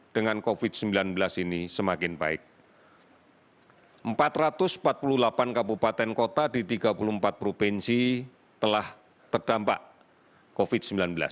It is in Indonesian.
dengan covid sembilan belas ini semakin baik empat ratus empat puluh delapan kabupaten kota di tiga puluh empat provinsi telah terdampak covid sembilan belas